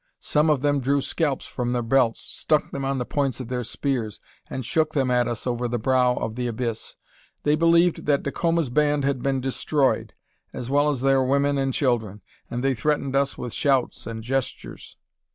Some of them drew scalps from their belts, stuck them on the points of their spears, and shook them at us over the brow of the abyss. They believed that Dacoma's band had been destroyed, as well as their women and children; and they threatened us with shouts and gestures.